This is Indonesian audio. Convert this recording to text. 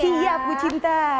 siap ibu cinta